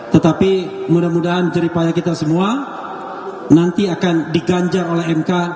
tetapi mudah mudahan jeripaya kita semua nanti akan diganjar oleh mk